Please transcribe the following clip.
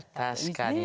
確かにな。